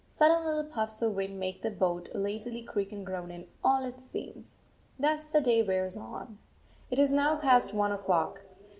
Sudden little puffs of wind make the boat lazily creak and groan in all its seams. Thus the day wears on. It is now past one o'clock.